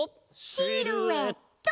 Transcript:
シルエット！